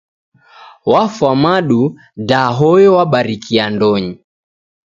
Wafwa madu da hoyo wabarikia ndonyi.